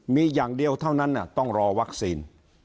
มีอย่างเดียวเท่านั้นต้องรอวัคซีน